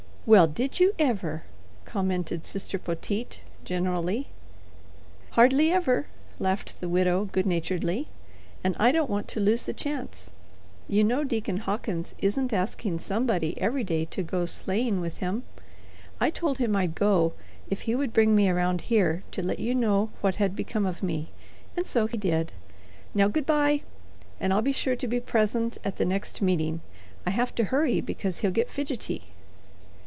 "Well, did you ever?" commented Sister Poteet, generally. "Hardly ever," laughed the widow, good naturedly, "and I don't want to lose the chance. You know Deacon Hawkins isn't asking somebody every day to go sleighing with him. I told him I'd go if he would bring me around here to let you know what had become of me, and so he did. Now, good by, and I'll be sure to be present at the next meeting. I have to hurry because he'll get fidgety."